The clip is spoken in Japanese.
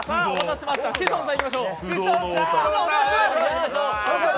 志尊さん、いきましょう。